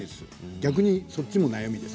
逆にそっちも悩み。